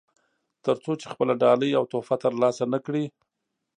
تر څو چې خپله ډالۍ او تحفه ترلاسه نه کړي.